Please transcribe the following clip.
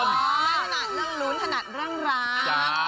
ไม่ถนัดเรื่องลุ้นถนัดเรื่องรัก